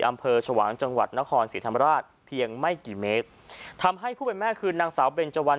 อำเภอชวางจังหวัดนครศรีธรรมราชเพียงไม่กี่เมตรทำให้ผู้เป็นแม่คือนางสาวเบนเจวัน